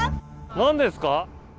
何ですか？